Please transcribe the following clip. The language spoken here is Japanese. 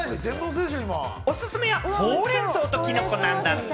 おすすめは、ほうれん草と、きのこなんだって。